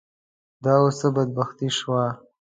دا اوس څه بدبختي شوه.